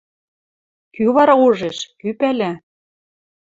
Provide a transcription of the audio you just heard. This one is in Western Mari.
Кӱ вара ужеш, кӱ пӓла?